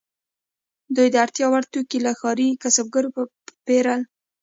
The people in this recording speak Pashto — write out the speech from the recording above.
دوی د اړتیا وړ توکي له ښاري کسبګرو پیرل.